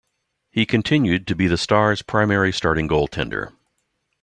He continued to be the Stars' primary starting goaltender.